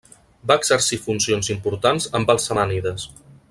Va exercir funcions importants amb els samànides.